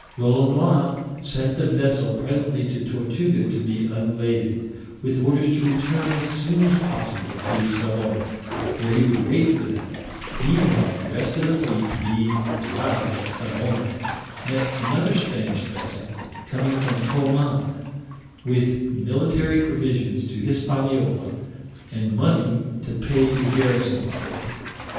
Lolonois sent the vessel presently to Tortuga to be unladed, with orders to return as soon as possible to Savona, where he would wait for them: meanwhile, the rest of the fleet being arrived at Savona, met another Spanish vessel coming from Coman, with military provisions to Hispaniola, and money to pay the garrisons there.